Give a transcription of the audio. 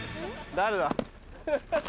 誰だ？